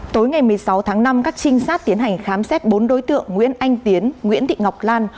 tối ngày một mươi sáu tháng năm các trinh sát tiến hành khám xét bốn đối tượng nguyễn anh tiến nguyễn thị ngọc lan